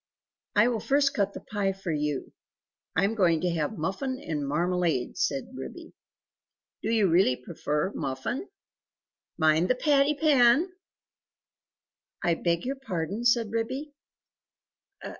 "I will first cut the pie for you; I am going to have muffin and marmalade," said Ribby. "Do you really prefer muffin? Mind the patty pan!" "I beg your pardon?" said Ribby.